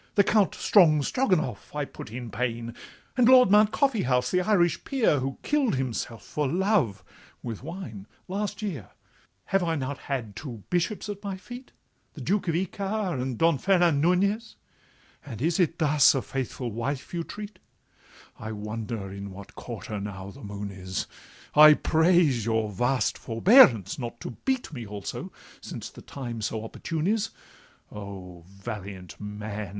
The Count Strongstroganoff I put in pain, And Lord Mount Coffeehouse, the Irish peer, Who kill'd himself for love (with wine) last year. 'Have I not had two bishops at my feet, The Duke of Ichar, and Don Fernan Nunez? And is it thus a faithful wife you treat? I wonder in what quarter now the moon is: I praise your vast forbearance not to beat Me also, since the time so opportune is— O, valiant man!